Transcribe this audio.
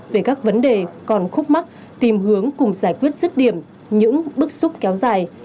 về các vấn đề còn khúc mắt tìm hướng cùng giải quyết sức điểm những bước xúc kéo dài